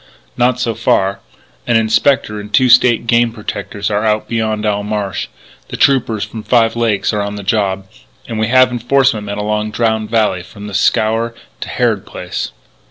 "Not so far. An Inspector and two State Game Protectors are out beyond Owl Marsh. The Troopers from Five Lakes are on the job, and we have enforcement men along Drowned Valley from The Scaur to Harrod Place."